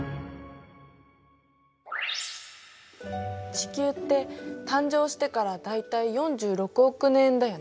地球って誕生してから大体４６億年だよね。